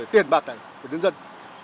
tiền bạc này của đất dân